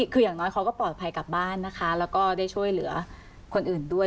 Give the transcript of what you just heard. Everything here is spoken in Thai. คืออย่างน้อยเขาก็ปลอดภัยกลับบ้านนะคะแล้วก็ได้ช่วยเหลือคนอื่นด้วย